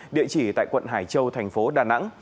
địa chỉ tại quận hải châu tp đà nẵng